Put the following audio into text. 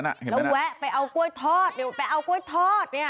แล้วแวะไปเอากล้วยทอดเดี๋ยวไปเอากล้วยทอดเนี่ย